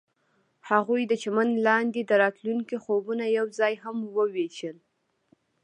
هغوی د چمن لاندې د راتلونکي خوبونه یوځای هم وویشل.